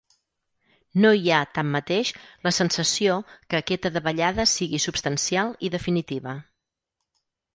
No hi ha, tanmateix, la sensació que aquesta davallada sigui substancial i definitiva.